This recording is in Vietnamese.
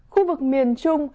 khu vực miền trung